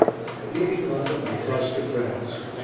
Leaving London, I crossed to France.